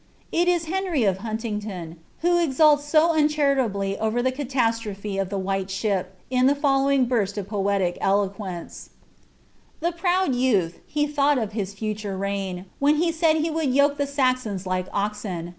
It in Henry of Huntingdon who exults so uncharitably ot'er the Catat irophe of the white ship, in the following buret of poetic eloquenn:— *^ The proud youth ; he thought of his future reign, when lio said ba would yoke the Saxons tike oxen.